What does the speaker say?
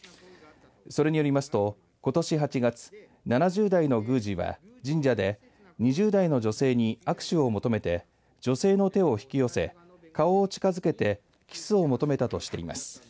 それによりますと、ことし８月７０代の宮司が神社で２０代の女性に握手を求めて女性の手を引き寄せ顔を近づけてキスを求めたとしています。